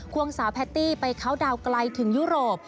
ควงสาวแพตตี้ไปคาวดาวใกล้ถึงยุโรป